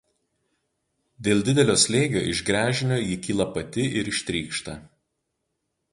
Dėl didelio slėgio iš gręžinio ji kyla pati ir ištrykšta.